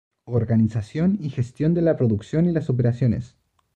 Organización y Gestión de la Producción y las Operaciones.